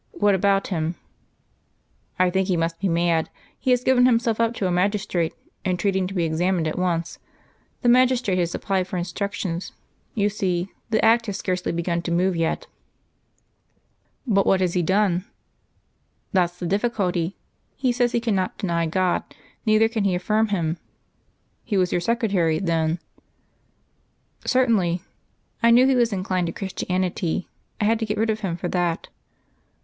"What about him?" "I think he must be mad. He has given himself up to a magistrate, entreating to be examined at once. The magistrate has applied for instructions. You see, the Act has scarcely begun to move yet." "But what has he done?" "That's the difficulty. He says he cannot deny God, neither can he affirm Him. He was your secretary, then?" "Certainly. I knew he was inclined to Christianity. I had to get rid of him for that."